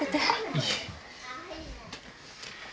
いえ。